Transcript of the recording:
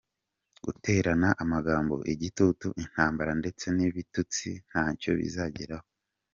Guterana amagambo , igitutu, intambara ndetse n’ibitutsi ntacyo bizageraho.